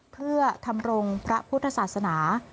เพื่อทำรงพระพุทธศาสนา